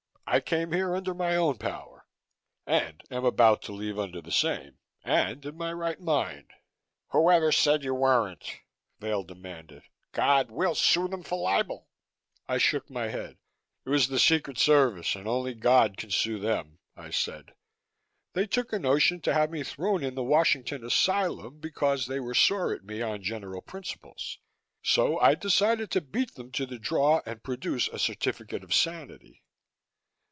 "I came here under my own power and am about to leave under the same and in my right mind." "Whoever said you weren't?" Vail demanded. "God! we'll sue them for libel." I shook my head. "It was the Secret Service and only God can sue them," I said. "They took a notion to have me thrown in the Washington asylum because they were sore at me on general principles. So I decided to beat them to the draw and produce a certificate of sanity."